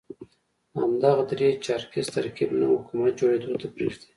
همدغه درې چارکیز ترکیب نه حکومت جوړېدو ته پرېږدي.